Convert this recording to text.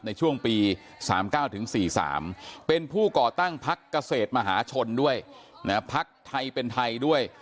ในช่วงปี๓๙ถึง๔๓เป็นผู้ก่อตั้งพักเกษตรมหาชนด้วยพักไทยเป็นไทยด้วย